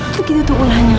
itu gitu tuh ulahnya